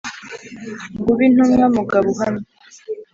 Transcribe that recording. ngo ube intumwa mugabo uhamya